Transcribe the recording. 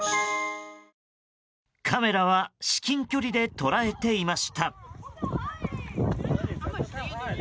カメラは至近距離で捉えていました。